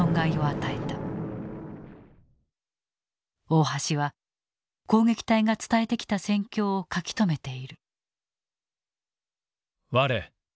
大橋は攻撃隊が伝えてきた戦況を書き留めている。